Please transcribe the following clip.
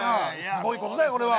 すごいことだよこれは。